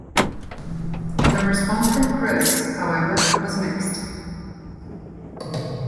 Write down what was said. The response from critics, however, was mixed.